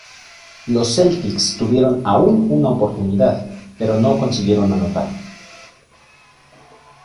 Los Celtics tuvieron aún una oportunidad, pero no consiguieron anotar.